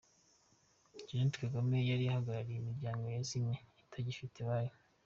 Jeanette Kagame yari ahagarariye imiryango yazimye itagifite abayo.